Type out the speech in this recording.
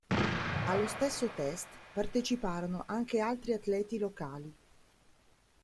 Allo stesso "test" parteciparono anche altri atleti locali.